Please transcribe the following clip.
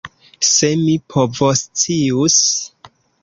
Se mi povoscius!